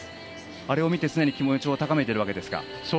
あれを見て気持ちを高めているわけですか。